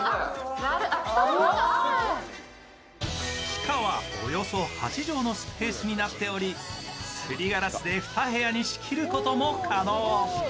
地下はおよそ８畳となっており、すりガラスで２部屋に仕切ることも加納。